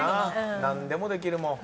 何でもできるもん。